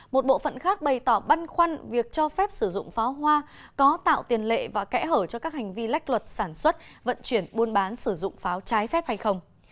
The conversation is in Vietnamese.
một bộ phận khác bày tỏ băn khoăn việc cho phép sử dụng pháo hoa có tạo tiền lệ và kẽ hở cho các hành vi lách luật sản xuất vận chuyển buôn bán sử dụng pháo trái phép hay không